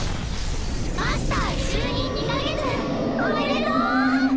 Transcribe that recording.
マスター就任２か月おめでとう！